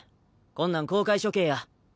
こんなん公開処刑や。